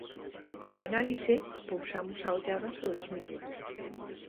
En Análise pousamos a ollada sobre as mutuas.